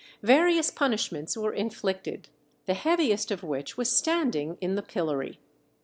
Various punishments were inflicted, the heaviest of which was standing in the pillory.